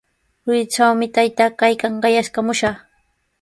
Ruritrawmi taytaa kaykan, qayaskamushaq.